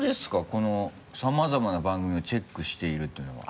この「さまざまな番組をチェックしている」というのは。